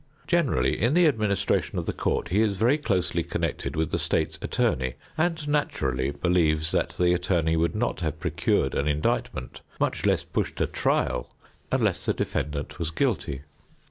Generally, in the administration of the court he is very closely connected with the state's attorney and naturally believes that the attorney would not have procured an indictment, much less pushed a trial, unless the defendant was guilty.